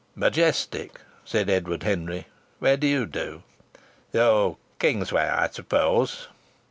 "Majestic," said Edward Henry. "Where do you?" "Oh! Kingsway, I suppose."